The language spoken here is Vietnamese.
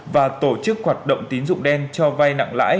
và tổ chức hoạt động tín dụng đen cho vai nặng lãi